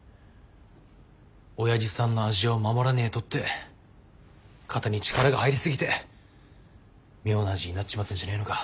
「おやじさんの味を守らねえと」って肩に力が入りすぎて妙な味になっちまってんじゃねえのか？